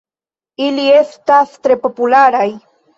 Ili estas tre popularaj.